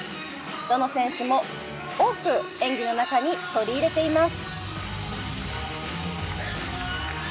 どの選手も多く演技の中に取り入れています。